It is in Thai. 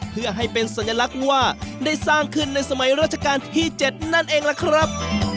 เพื่อให้เป็นสัญลักษณ์ว่าได้สร้างขึ้นในสมัยราชการที่๗นั่นเองล่ะครับ